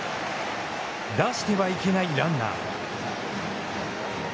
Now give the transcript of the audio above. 出してはいけないランナー。